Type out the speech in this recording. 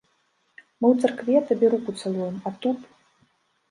Мы ў царкве табе руку цалуем, а тут?!.